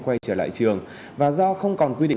quay trở lại trường và do không còn quy định